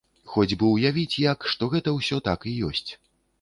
Хоць бы ўявіць як, што гэта ўсё так і ёсць.